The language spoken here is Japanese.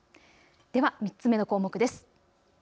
では３つ目の項目です。